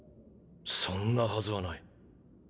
そんなはずはない。